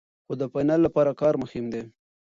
خو د فاینل لپاره کار مهم دی.